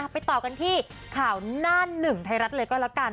ไปต่อกันที่ข่าวหน้าหนึ่งไทยรัฐเลยก็แล้วกัน